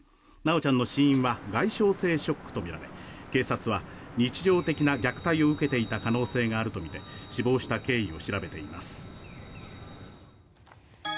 修ちゃんの死因は外傷性ショックとみられ警察は日常的な虐待を受けていた可能性があるとみて死亡した経緯を調べています。